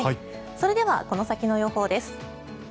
それではこの先の予報です。